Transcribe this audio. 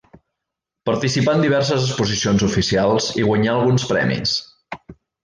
Participà en diverses exposicions oficials i guanyà alguns premis.